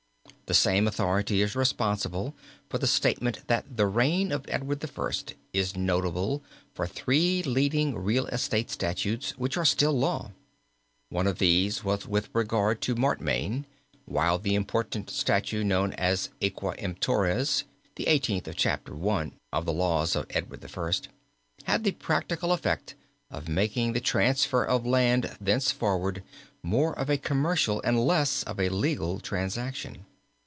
The same authority is responsible for the statement that the reign of Edward I., is notable for three leading real estate statutes which are still law. One of these was with regard to Mortmain, while the important statute known as Quia Emptores (the eighteenth of Chapter I. of the Laws of Edward I.) had the practical effect of making the transfer of land thenceforward, more of a commercial and less of a legal transaction.